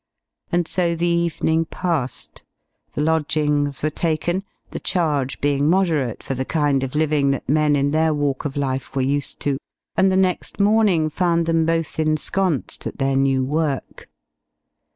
And so the evening passed. The lodgings were taken, the charge being moderate for the kind of living that men in their walk of life were used to, and the next morning found them both ensconced at their new work.